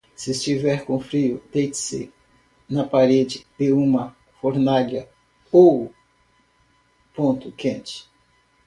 Se estiver com frio, deite-se na parede de uma fornalha ou ponto quente.